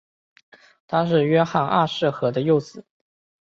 他是约翰二世和的幼子。